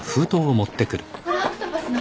これオクトパスの。